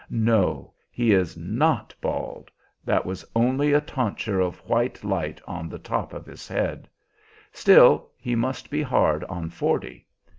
No, he is not bald, that was only a tonsure of white light on the top of his head; still, he must be hard on forty.